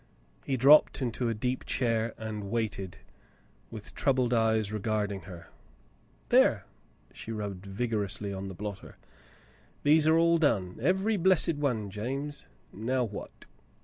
He dropped into a deep chair and waited, with troubled eyes regarding her. " There !" She rubbed vigorously down on the blotter. "These are all done, every blessed one, James. Now what?'